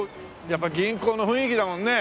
やっぱ銀行の雰囲気だもんね。